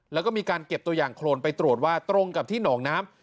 แล้วก็มีการเก็บตัวอย่างโครนไปตรวจว่าตรงกับที่หนองน้ำ